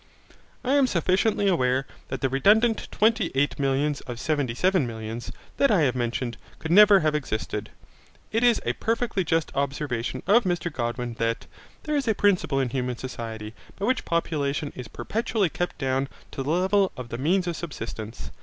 I am sufficiently aware that the redundant twenty eight millions, or seventy seven millions, that I have mentioned, could never have existed. It is a perfectly just observation of Mr Godwin, that, 'There is a principle in human society, by which population is perpetually kept down to the level of the means of subsistence.'